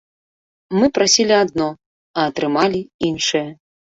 Мы прасілі адно, а атрымалі іншае.